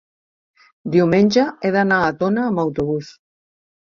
diumenge he d'anar a Tona amb autobús.